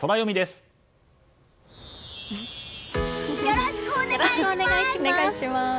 よろしくお願いします！